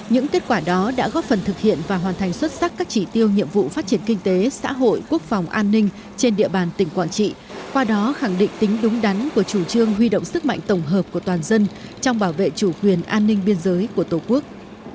những kết quả đó đã góp phần thực hiện và hoàn thành xuất sắc các chỉ tiêu nhiệm vụ phát triển kinh tế xã hội quốc phòng an ninh trên địa bàn tỉnh quảng trị qua đó khẳng định tính đúng đắn của chủ trương huy động sức mạnh tổng hợp của toàn dân trong bảo vệ chủ quyền an ninh biên giới của tổ quốc